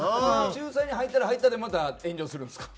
仲裁に入ったら入ったでまた炎上するんですか？